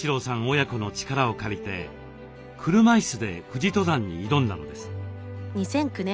親子の力を借りて車いすで富士登山に挑んだのです。